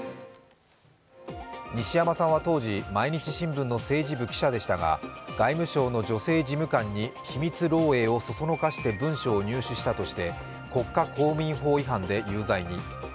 西山さんは当時「毎日新聞」の政治部記者でしたが外務省の女性事務官に秘密漏えいをそそのかして文書を入手したとして国家公務員法違反で有罪に。